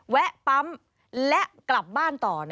แวะปั๊มและกลับบ้านต่อ